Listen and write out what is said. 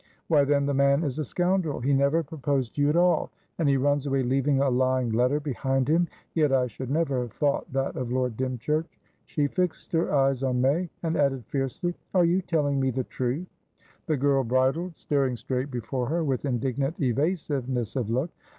"Why, then, the man is a scoundrel! He never proposed to you at all, and he runs away leaving a lying letter behind him. Yet I should never have thought that of Lord Dymchurch." She fixed her eyes on May, and added fiercely: "Are you telling me the truth?" The girl bridled, staring straight before her with indignant evasiveness of look.